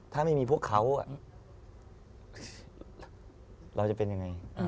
ถ้าไม่มีพวกเขาเราจะเป็นยังไง